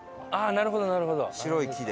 なるほどなるほど。